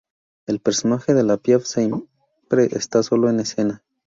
El personaje de La Piaf siempre está solo en escena.